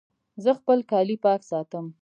زه خپل کالي پاک ساتم